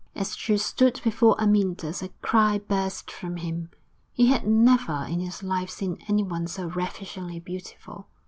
As she stood before Amyntas a cry burst from him; he had never in his life seen anyone so ravishingly beautiful.